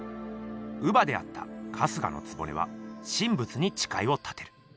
乳母であった春日局は神仏にちかいを立てる。